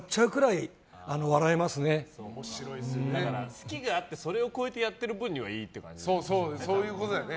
好きがあってそれを超えてやってる分にはそういうことだよね。